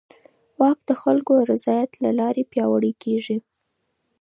واک د خلکو د رضایت له لارې پیاوړی کېږي.